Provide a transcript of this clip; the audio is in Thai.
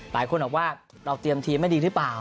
หลายคนบอกว่าเราเตรียมทีมไม่ดีหรือเปล่า